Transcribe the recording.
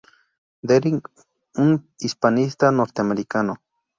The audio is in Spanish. Deering, un hispanista norteamericano.